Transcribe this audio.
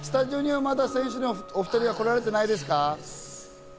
スタジオにはまだ、お２人は来られていないんですか？